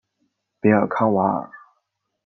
比尔康瓦尔。